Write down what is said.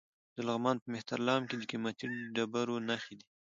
د لغمان په مهترلام کې د قیمتي ډبرو نښې دي.